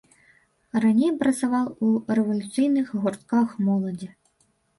Раней працаваў у рэвалюцыйных гуртках моладзі.